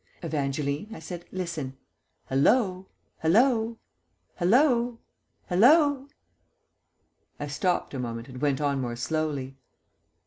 "Evangeline," I said, "listen. Hallo, hallo, hallo, hallo." I stopped a moment and went on more slowly.